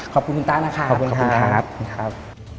ขอบคุณคุณต้าน่ะค่ะขอบคุณครับ